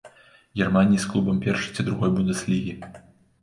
Германіі з клубам першай ці другой бундэслігі.